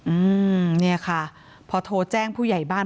อืมเนี่ยค่ะพอโทรแจ้งผู้ใหญ่บ้าน